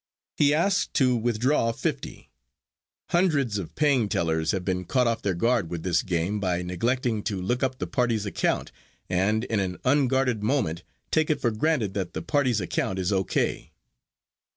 He asks to withdraw fifty. Hundreds of paying tellers have been caught off their guard with this game by neglecting to look up the party's account, and in an unguarded moment take it for granted that the party's account is O. K.